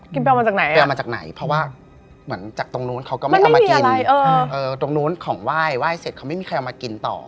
กินไปเอามาจากไหนอ่ะเพราะว่าเหมือนจากตรงโน้นเขาก็ไม่เอามากินตรงโน้นของไหว้เสร็จเขาไม่มีใครเอามากินต่อ